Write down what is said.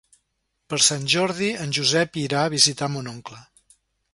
Per Sant Jordi en Josep irà a visitar mon oncle.